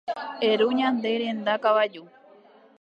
Eru ñande renda kavaju.